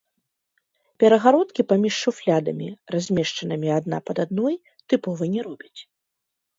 Перагародкі паміж шуфлядамі, размешчанымі адна пад адной, тыпова не робяць.